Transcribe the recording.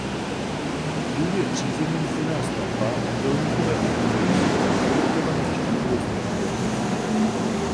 Dům je přízemní zděná stavba obdélníkového půdorysu orientované štítovou stranou do ulice.